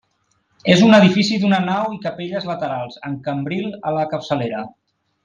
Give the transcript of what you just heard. És un edifici d'una nau i capelles laterals, amb cambril a la capçalera.